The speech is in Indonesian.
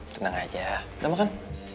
tenang aja udah makan